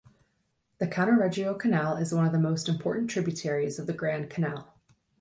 The Cannaregio Canal is one of the most important tributaries of the Grand Canal.